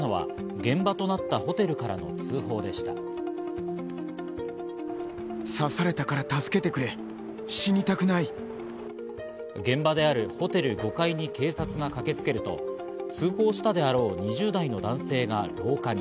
現場であるホテルの５階に警察が駆けつけると、通報したであろう２０代の男性が廊下に。